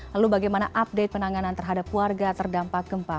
lalu bagaimana update penanganan terhadap warga terdampak gempa